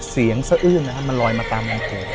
เสียงซะอื้นนะครับมันลอยมาตามตรงนี้